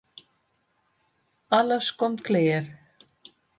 Alles komt klear.